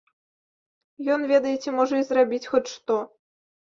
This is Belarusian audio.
Ён, ведаеце, можа і зрабіць хоць што.